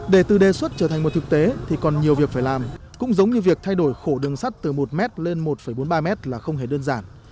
để từ đề xuất trở thành một thực tế thì còn nhiều việc phải làm cũng giống như việc thay đổi khổ đường sắt từ một m lên một bốn mươi ba m là không hề đơn giản